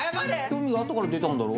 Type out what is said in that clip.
興味があったから出たんだろ？